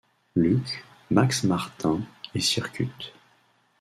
Luke, Max Martin et Cirkut.